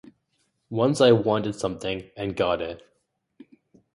Once I wanted something and got it.